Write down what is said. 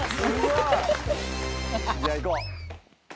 「じゃあいこう」